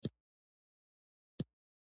هلته بهیري نومې راهب ورته وکتل.